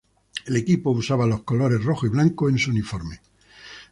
El equipo usaba los colores rojo y blanco en su uniforme.